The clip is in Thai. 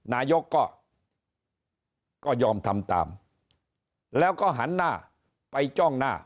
นายกก็ยอมทำตามแล้วก็หันหน้าไปจ้องหน้า